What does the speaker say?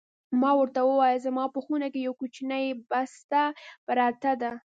ما ورته وویل: زما په خونه کې یوه کوچنۍ بسته پرته ده.